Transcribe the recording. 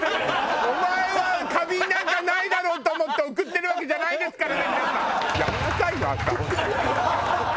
お前は花瓶なんかないだろうと思って贈ってるわけじゃないですからね皆さん。